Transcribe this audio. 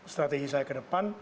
strategi saya ke depan